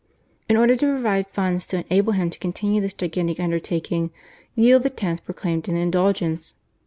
In order to provide funds to enable him to continue this gigantic undertaking Leo X. proclaimed an Indulgence.